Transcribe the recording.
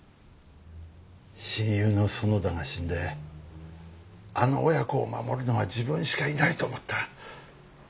親友の園田が死んであの親子を守るのは自分しかいないと思った。